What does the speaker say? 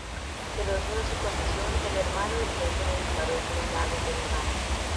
Celoso de su condición, el hermano del jefe le disparó con un dardo envenenado.